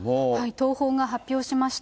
東宝が発表しました。